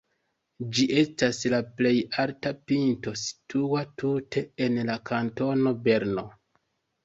Ĝi estas la plej alta pinto situa tute en la kantono Berno.